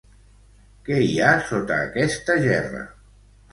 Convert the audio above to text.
Què hi ha sota aquesta gerra?